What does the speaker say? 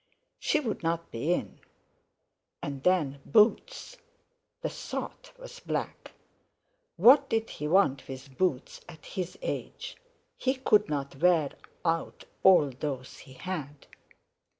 She would not be in! And then—Boots! The thought was black. What did he want with boots at his age? He could not wear out all those he had.